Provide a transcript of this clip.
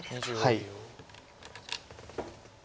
はい。